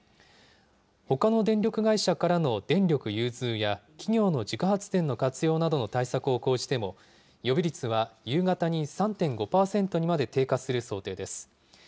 ほかの電力会社からの電力融通や、企業の自家発電の活用などの対策を講じても、予備率は夕方に３．５％にまで低下する想定です。